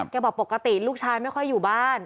บอกปกติลูกชายไม่ค่อยอยู่บ้าน